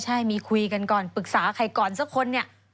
ใช่มีคุยกันก่อนปรึกษาใครก่อนซะคน